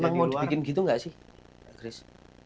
emang mau dibikin gitu nggak sih chris